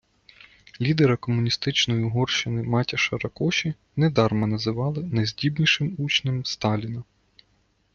Лідера комуністичної Угорщини Матяша Ракоші недарма називали «найздібнішим учнем Сталіна».